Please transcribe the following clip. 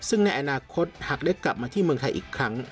ซึ่งในอนาคตหากได้กลับมาที่เมืองไทยอีกครั้ง